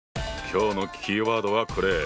今日のキーワードはこれ！